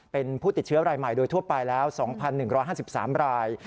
เป็นผู้ติดเชื้อรายใหม่โดยทั่วไปแล้ว๒๑๕๓ราย